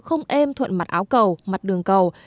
không êm thuận mặt áo cầu mặt đường cầu